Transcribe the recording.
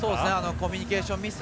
コミュニケーションミス。